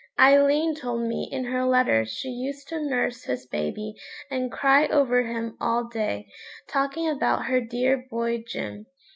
Aileen told me in her letter she used to nurse his baby and cry over him all day, talking about her dear boy Jim.